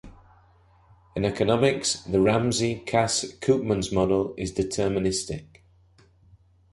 In economics, the Ramsey-Cass-Koopmans model is deterministic.